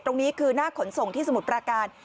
ตรงนี้คือหน้าขนส่งที่สมุทรปราการ